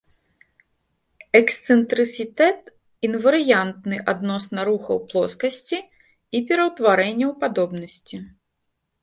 Эксцэнтрысітэт інварыянтны адносна рухаў плоскасці і пераўтварэнняў падобнасці.